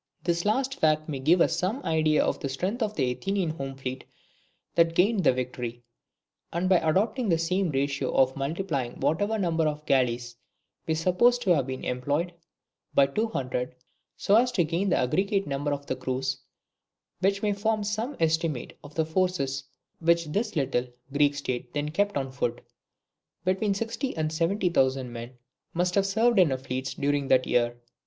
This last fact may give us some idea of the strength of the Athenian home fleet that gained the victory; and by adopting the same ratio of multiplying whatever number of galleys we suppose to have been employed, by two hundred, so as to gain the aggregate number of the crews, we may form some estimate of the forces which this little, Greek state then kept on foot. Between sixty and seventy thousand men must have served in her fleets during that year.